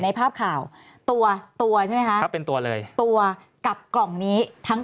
ในภาพข่าวตัวตัวใช่ไหมคะครับเป็นตัวเลยตัวกับกล่องนี้ทั้ง